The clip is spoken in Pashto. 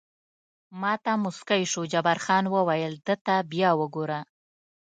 ما ته موسکی شو، جبار خان وویل: ده ته بیا وګوره.